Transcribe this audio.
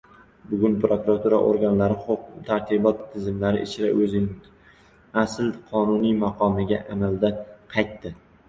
Bugun prokuratura organlari huquq-tartibot tizimlari ichra oʻzining asl qonuniy maqomiga amalda qaytdi.